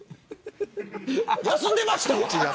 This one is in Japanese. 休んでました。